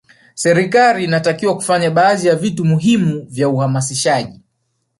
serikali inatakiwa kufanya baadhi ya vitu muhimu vya uhamasishaji